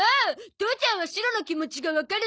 父ちゃんはシロの気持ちがわかるの？